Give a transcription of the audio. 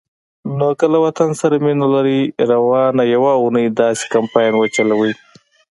نو که له وطن سره مینه لرئ، روانه یوه اونۍ داسی کمپاین وچلوئ